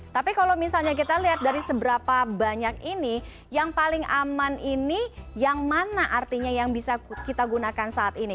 tapi kalau misalnya kita lihat dari seberapa banyak ini yang paling aman ini yang mana artinya yang bisa kita gunakan saat ini